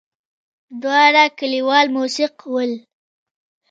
دواړه کليوال موسک ول.